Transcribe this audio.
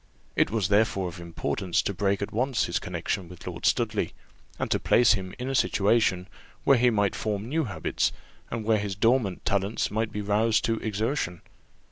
It was therefore of importance to break at once his connexion with Lord Studley, and to place him in a situation where he might form new habits, and where his dormant talents might be roused to exertion.